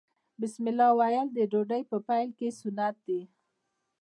بسم الله ویل د ډوډۍ په پیل کې سنت دي.